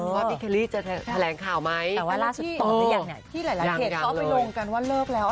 ว่าพี่เคลรี่จะแถลงข่าวไหมแต่ที่หลายเหตุเข้าไปลงกันว่าเลิกแล้ว